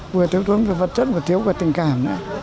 vừa thiếu thốn về vật chất vừa thiếu về tình cảm